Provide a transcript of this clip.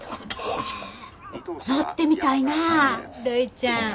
乗ってみたいなあるいちゃん。